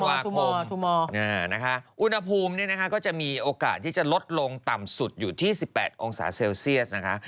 วันอ้างครานที่๑๙ทานวาคมอุณหภูมิมีโอกาสที่จะลดลงต่ำสุดอยู่ที่๑๘องศาเซลเซียสนะคะ